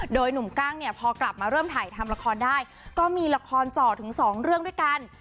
โดยหนุ่มกั้งเนี่ยพอกลับมาเริ่มถ่ายทำละครได้ก็มีละครเจาะถึงสองเรื่องด้วยกัน